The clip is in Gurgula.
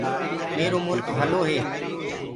همرو ملڪ ڀلو هي۔